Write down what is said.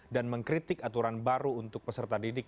dan mengkritik aturan baru untuk peserta didik